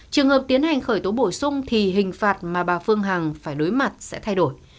trường hợp tiến hành khởi tố bổ sung thì hình phạt mà bà phương hằng phải đối mặt sẽ thay đổi